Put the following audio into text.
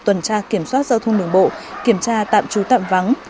tuần tra kiểm soát giao thông đường bộ kiểm tra tạm trú tạm vắng